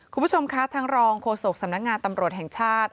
คุณผู้ชมคะทางรองโฆษกสำนักงานตำรวจแห่งชาติ